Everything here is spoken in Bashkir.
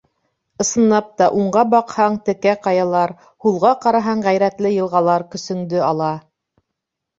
Ысынлап та, уңға баҡһаң — текә ҡаялар, һулға ҡараһаң, ғәйрәтле йылғалар көсөңдө ала.